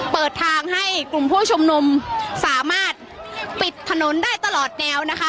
เปิดทางให้กลุ่มผู้ชุมนุมสามารถปิดถนนได้ตลอดแนวนะคะ